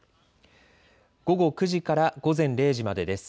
午後９時から午前０時までです。